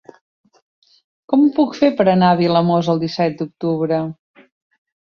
Com ho puc fer per anar a Vilamòs el disset d'octubre?